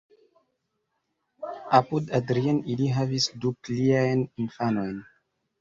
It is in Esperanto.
Apud Adrien ili havis du pliajn infanojn.